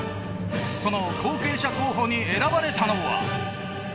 その後継者候補に選ばれたのは。